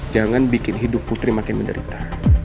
jangan bikin hidup putri makin menderita